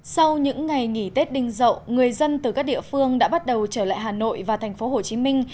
sau những ngày nghỉ tết đinh dậu người dân từ các địa phương đã bắt đầu trở lại hà nội và thành phố hồ chí minh